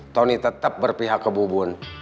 tony tetap berpihak ke bubun